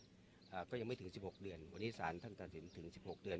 อ่าก็ยังไม่ถึงสิบหกเดือนวันนี้สารท่านตัดสินถึงสิบหกเดือน